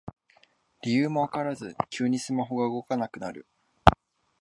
理由もわからず急にスマホが動かなくなる